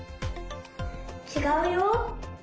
ちがうよ。